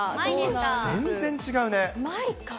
全然違うね。